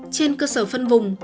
trên cơ sở phân vùng